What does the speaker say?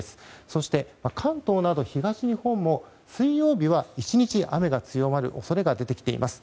そして、関東など東日本も水曜日は１日、雨が強まる恐れが出てきています。